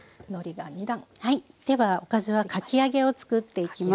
ではおかずはかき揚げをつくっていきます。